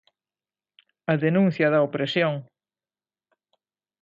A denuncia da opresión.